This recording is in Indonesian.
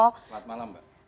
selamat malam mbak